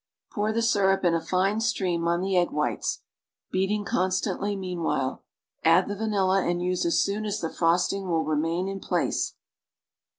Pour the syrup in a fine stream on the egg whites, beating constantly meanwhile; add the vanilla and use as soon as the frosting will remain in place.